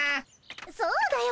そうだよ